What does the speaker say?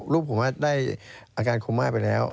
ลูกผมได้อาการโคม่าไปแล้ว